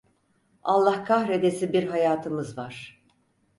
Allah kahredesi bir hayatımız var!